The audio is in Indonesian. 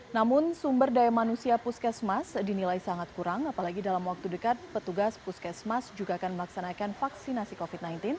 namun sumber daya manusia puskesmas dinilai sangat kurang apalagi dalam waktu dekat petugas puskesmas juga akan melaksanakan vaksinasi covid sembilan belas